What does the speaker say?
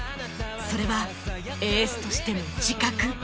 それはエースとしての自覚